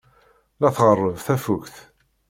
La tɣerreb tafukt.